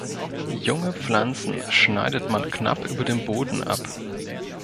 Junge Pflanzen schneidet man knapp über dem Boden ab.